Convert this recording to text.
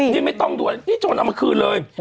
นี่ไม่ต้องด่วนนี่โจรเอามาคืนเลย